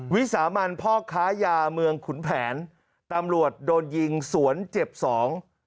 วิสามันพ่อค้ายาเมืองขุนแผนตำรวจโดนยิงสวนเจ็บสอง